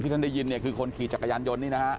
ที่ท่านได้ยินคือคนขี่จักรยานยนต์นี่นะฮะ